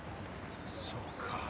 そうか。